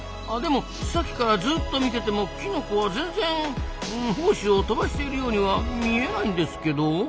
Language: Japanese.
でもさっきからずっと見ててもキノコは全然胞子を飛ばしているようには見えないんですけど？